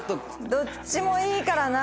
どっちもいいからな。